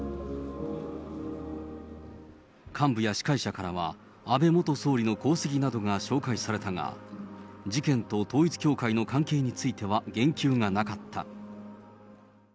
幹部や司会者からは、安倍元総理の功績などが紹介されたが、事件と統一教会の関係については言及がなかった。